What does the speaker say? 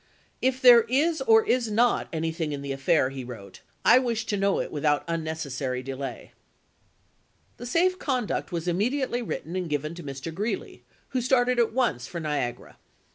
"If there is or is not anything in the affair," he wrote, " I wish to know it without unnecessary delay." The safe conduct was immediately written and given to Mr. Greeley, who started at once for Niagara.